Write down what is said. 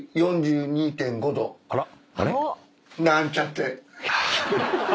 なーんちゃって！